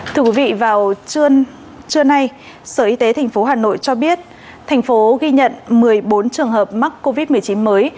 thưa quý vị vào trưa nay sở y tế tp hà nội cho biết thành phố ghi nhận một mươi bốn trường hợp mắc covid một mươi chín mới